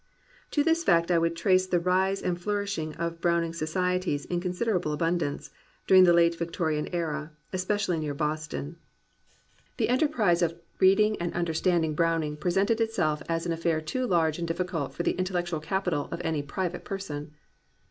To this fact I would trace the rise and flourishing of Browning Societies in considerable abundance, during the late Victorian Era, especially near Bos ton. The enterprise of reading and understanding 241 COMPANIONABLE BOOKS Browning presented itself as an affair too large and difficult for the intellectual capital of any private person.